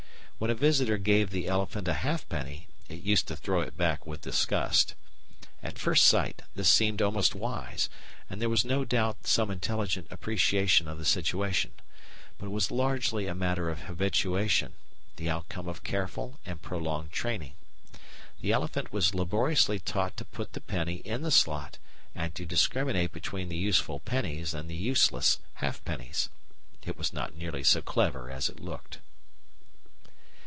When a visitor gave the elephant a halfpenny it used to throw it back with disgust. At first sight this seemed almost wise, and there was no doubt some intelligent appreciation of the situation. But it was largely a matter of habituation, the outcome of careful and prolonged training. The elephant was laboriously taught to put the penny in the slot and to discriminate between the useful pennies and the useless halfpennies. It was not nearly so clever as it looked.